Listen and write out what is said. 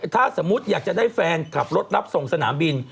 ถ้าสมมุติอยากจะได้แฟนขับรถรับส่งสนามบิน